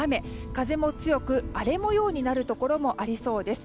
風も強く荒れ模様になるところもありそうです。